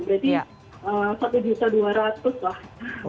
berarti satu dua ratus lah